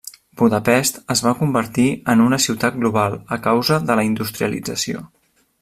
Budapest es va convertir en una ciutat global a causa de la industrialització.